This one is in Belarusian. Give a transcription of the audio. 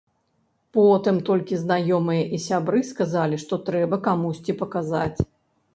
Потым толькі знаёмыя і сябры сказалі, што трэба камусьці паказаць.